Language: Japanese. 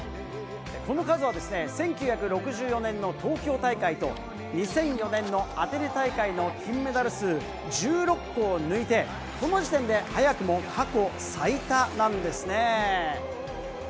この数は１９６４年の東京大会と２００４年のアテネ大会の金メダル数１６個を抜いて、この時点で早くも過去最多なんですね。